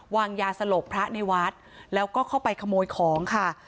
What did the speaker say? วางยาสลบพระในวัดแล้วก็เข้าไปขโมยของค่ะ